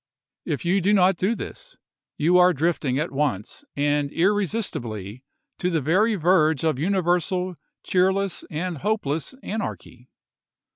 If you do not do this, you are drifting at once and irresistibly to the very verge of universal, cheerless, and hopeless seward, anarchy.